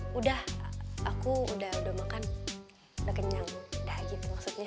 udah aku udah makan udah kenyang udah gitu maksudnya